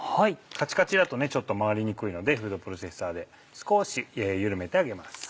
カチカチだとちょっと回りにくいのでフードプロセッサーで少し緩めてあげます。